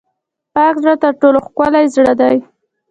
پاک زړه تر ټولو ښکلی زړه دی.